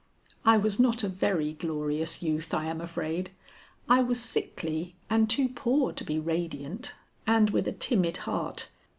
"I was not a very glorious youth, I am afraid. I was sickly, and too poor to be radiant, and with a timid heart.